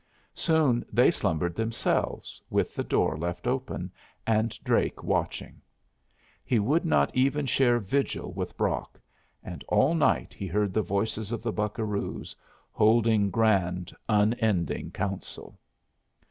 Soon they slumbered themselves, with the door left open, and Drake watching. He would not even share vigil with Brock, and all night he heard the voices of the buccaroos, holding grand, unending council.